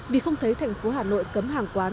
vì không thấy thành phố hà nội cấm hàng quán